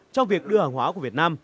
trong việc đưa hàng hóa của việt nam